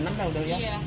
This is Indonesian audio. jam enam lah udah ya